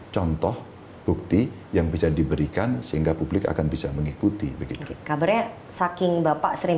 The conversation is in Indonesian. contoh bukti yang bisa diberikan sehingga publik akan bisa mengikuti begitu kabarnya saking bapak sering